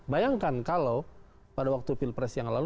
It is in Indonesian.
bayangkan kalau pada waktu pilpres yang lalu